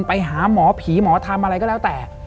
ไปหาหมอผีหมอทำอะไรก็แล้วแต่